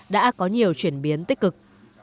đã có nhiều chuyển biến tích cực